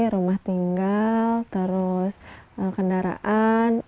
rumah tinggal terus kendaraan